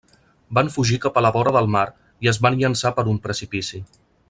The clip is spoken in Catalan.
Van fugir cap a la vora del mar i es van llançar per un precipici.